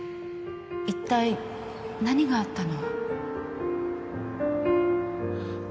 一体何があったの？